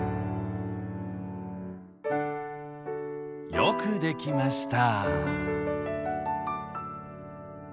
よくできました。